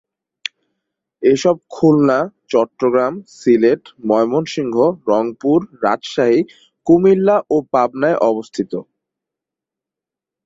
এসব খুলনা, চট্টগ্রাম, সিলেট, ময়মনসিংহ, রংপুর, রাজশাহী, কুমিল্লা ও পাবনায় অবস্থিত।